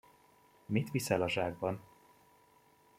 Mit viszel a zsákban?